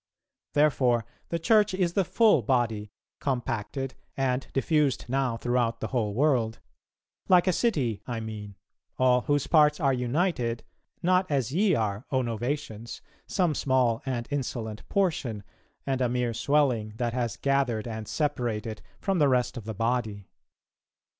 Therefore, the Church is the full body, compacted and diffused now throughout the whole world; like a city, I mean, all whose parts are united, not as ye are, O Novatians, some small and insolent portion, and a mere swelling that has gathered and separated from the rest of the body.